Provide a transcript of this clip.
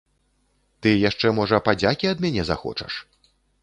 Ты яшчэ, можа, падзякі ад мяне захочаш?